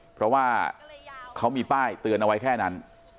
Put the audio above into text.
เพราะว่าเขามีป้ายเตือนเอาไว้แค่นั้น